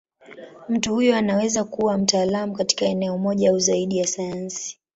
Mtu huyo anaweza kuwa mtaalamu katika eneo moja au zaidi ya sayansi.